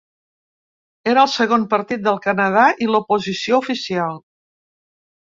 Era el segon partit del Canadà i l’oposició oficial.